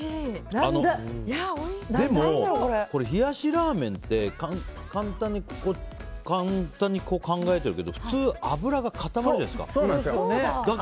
でも、冷やしラーメンって簡単に考えてるけど普通、脂が固まるじゃないですか。